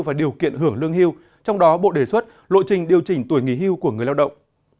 và điều kiện hưởng lương hưu trong đó bộ đề xuất lộ trình điều chỉnh tuổi nghỉ hưu của người lao động